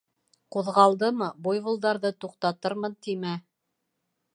Ҡуҙғалдымы, буйволдарҙы туҡтатырмын тимә.